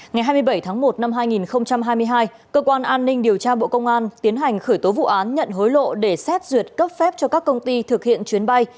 ngày hai mươi bảy tháng một năm hai nghìn hai mươi hai cơ quan an ninh điều tra bộ công an tiến hành khởi tố vụ án nhận hối lộ để xét duyệt cấp phép cho các công ty thực hiện chuyến bay